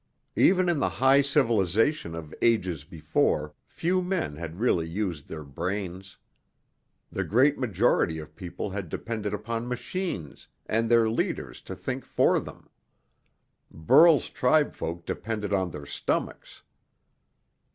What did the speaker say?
Even in the high civilization of ages before, few men had really used their brains. The great majority of people had depended upon machines and their leaders to think for them. Burl's tribefolk depended on their stomachs.